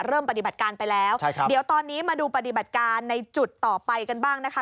เริ่มปฏิบัติการไปแล้วใช่ครับเดี๋ยวตอนนี้มาดูปฏิบัติการในจุดต่อไปกันบ้างนะคะ